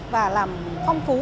và làm phong phú